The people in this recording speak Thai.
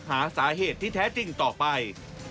หาสาเหตุที่แท้จริงต่อไป